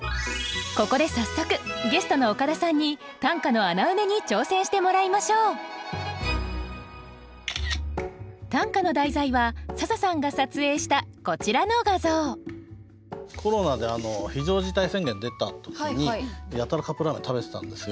ここで早速ゲストの岡田さんに短歌の穴埋めに挑戦してもらいましょう短歌の題材は笹さんが撮影したこちらの画像コロナで非常事態宣言出た時にやたらカップラーメン食べてたんですよ。